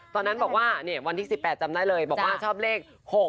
ตอนนั้นบอกว่าวันที่๑๘จำได้เลยบอกว่าชอบเลข๖๖